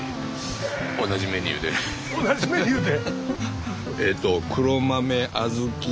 同じメニューで！